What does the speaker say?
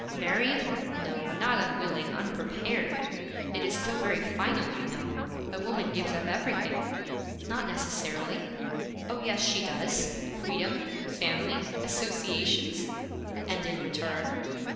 'Married? No, not unwilling; unprepared. It is so very final, you know. A woman gives up everything.' 'Not necessarily.' 'Oh, yes she does: freedom, family, associations.' 'And in return?'